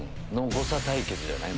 誤差対決じゃない？